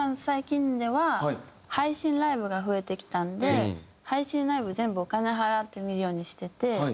最近では配信ライブが増えてきたんで配信ライブ全部お金払って見るようにしてて。